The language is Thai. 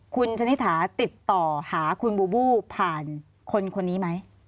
คุณชนิถาติดต่อหาคุณบูบูผ่านคนนี้ไหม